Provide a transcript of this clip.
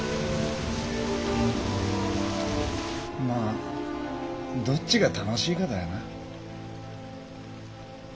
まあどっちが楽しいかだよな。